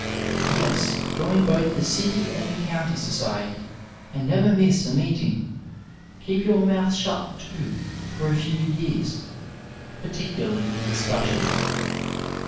Yes, join both the city and the county society, and never miss a meeting. Keep your mouth shut too, for a few years, particularly in discussions.